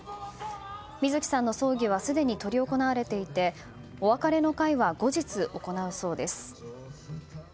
水木さんの葬儀はすでに執り行われていてお別れの会は後日行うそうです。